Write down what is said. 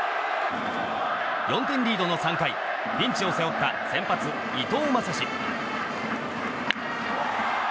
４点リードの３回ピンチを背負った先発の伊藤将司。